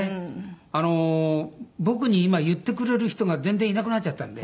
あの僕に今言ってくれる人が全然いなくなっちゃったんで。